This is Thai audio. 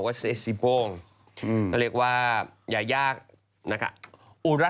ก็เรียกว่ายานะคะ